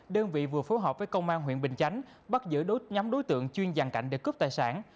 đơn vị vừa phối hợp với công an huyện bình chánh bắt giữ đốt nhóm đối tượng chuyên giàn cảnh để cướp tài sản